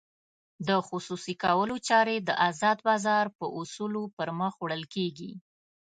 د خصوصي کولو چارې د ازاد بازار په اصولو پرمخ وړل کېږي.